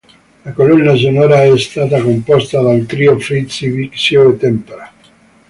La colonna sonora è stata composta dal trio Frizzi, Bixio e Tempera.